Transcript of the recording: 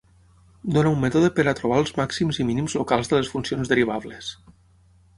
Dona un mètode per a trobar els màxims i mínims locals de les funcions derivables.